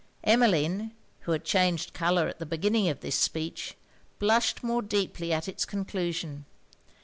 Emmeline, who had changed colour at the beginning of this speech, blushed more deeply at it's conclusion.